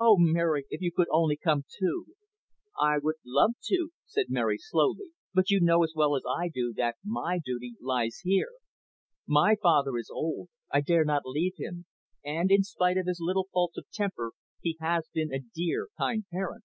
Oh, Mary, if you could only come too?" "I would love to," said Mary slowly. "But you know as well as I do that my duty lies here. My father is old, I dare not leave him, and, in spite of his little faults of temper, he has been a dear, kind parent."